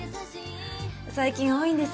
最近多いんです。